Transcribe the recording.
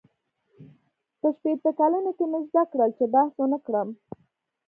• په شپېته کلنۍ کې مې زده کړل، چې بحث ونهکړم.